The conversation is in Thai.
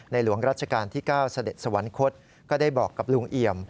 หลวงรัชกาลที่๙เสด็จสวรรคตก็ได้บอกกับลุงเอี่ยม